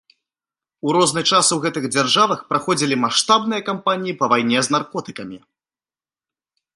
У розны час у гэтых дзяржавах праходзілі маштабныя кампаніі па вайне з наркотыкамі.